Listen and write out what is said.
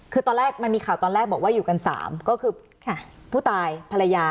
คือตอนแรกมันมีข่าวตอนแรกบอกว่าอยู่กัน๓ก็คือผู้ตายภรรยา